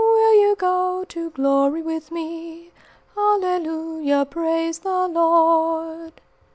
Will you go to glory with me? Hallelujah! Praise the Lord!"